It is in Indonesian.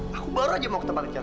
saya baru saja mau ke tempat kejar